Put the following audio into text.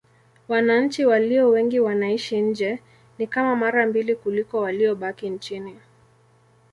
Wananchi walio wengi wanaishi nje: ni kama mara mbili kuliko waliobaki nchini.